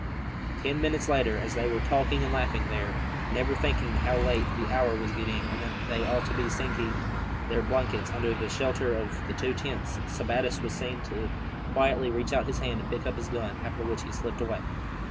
Ten minutes later, as they were talking and laughing there, never thinking how late the hour was getting, and that they ought to be seeking their blankets under the shelter of the two tents, Sebattis was seen to quietly reach out his hand, and pick up his gun, after which he slipped away.